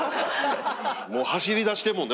もう走りだしてるもんね